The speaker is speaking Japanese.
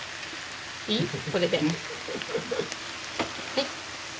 はい。